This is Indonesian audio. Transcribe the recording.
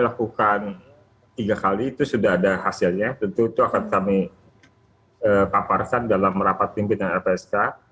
melakukan tiga kali itu sudah ada hasilnya tentu akan kami paparkan dalam merapat timpitan lpsk